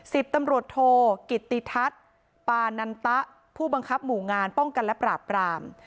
สิบตำรวจโทกิตติทัศน์ปานันตะผู้บังคับหมู่งานป้องกันและปราบราม